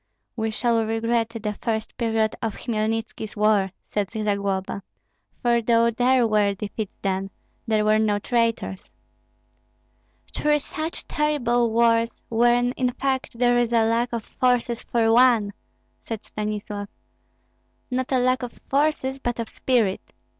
"We shall regret the first period of Hmelnitski's war," said Zagloba; "for though there were defeats then, there were no traitors." "Three such terrible wars, when in fact there is a lack of forces for one," said Stanislav. "Not a lack of forces, but of spirit.